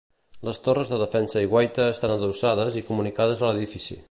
Les torres de defensa i guaita estan adossades i comunicades a l'edifici.